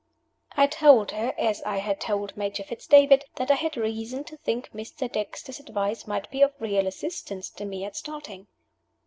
I told her, as I had told Major Fitz David, that I had reason to think Mr. Dexter's advice might be of real assistance to me at starting.